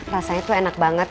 rasanya tuh enak banget